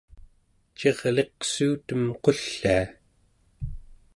cirliqsuutem qullia